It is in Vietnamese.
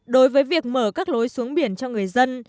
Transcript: đối với việc mở các lối xuống biển cho người dân